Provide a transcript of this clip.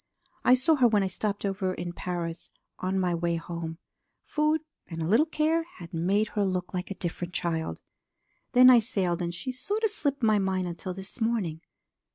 I saw her when I stopped over in Paris on my way home. Food and a little care had made her look like a different child. "Then I sailed, and she sort of slipped my mind until this morning.